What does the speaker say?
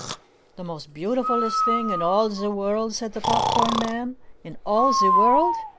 "The most beautifulest thing in all zee world?" said the Pop Corn Man. "In all zee world?